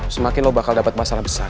semakin lo bakal dapat masalah besar